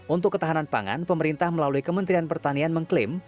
untuk ketahanan pangan pemerintah melalui kementerian pertanian mengklaim